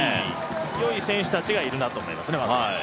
よい選手たちがいるなと思いますね。